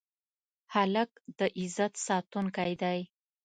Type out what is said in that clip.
هلک د عزت ساتونکی دی.